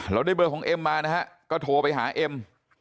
ได้เบอร์ของเอ็มมานะฮะก็โทรไปหาเอ็ม